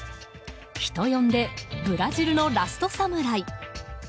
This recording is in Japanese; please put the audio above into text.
人呼んでブラジルのラストサムライ。